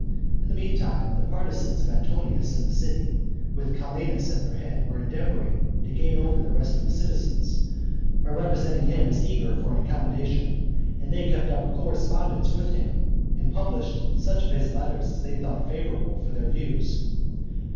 In the meantime the partisans of Antonius in the city, with Calenus at their head were endeavouring to gain over the rest of the citizens, by representing him as eager for an accommodation and they kept up a correspondence with him, and published such of his letters as they thought favourable for their views.